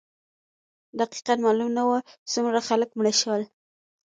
دقیقا معلوم نه وو څومره خلک مړه شول.